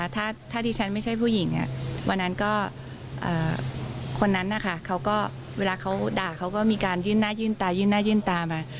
ถ้าที่ฉันไม่ใช่ผู้หญิงวันนั้นก็คนนั้นนะคะเขาก็เวลาเขาด่าเขาก็มีการยื่นหน้ายื่นตายื่นหน้ายื่นตามา